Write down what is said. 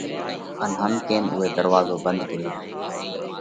هم ڪينَ اُوئہ ڌروازو ڀنڌ ڪريو پرو۔